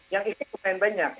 yang itu lumayan banyak